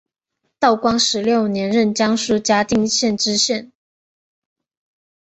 道光十六年任江苏嘉定县知县。